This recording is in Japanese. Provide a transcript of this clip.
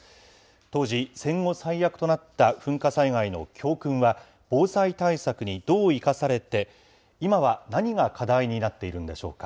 当時戦後最悪となった、噴火災害の教訓は防災対策にどう生かされて、今は何が課題になっているんでしょうか。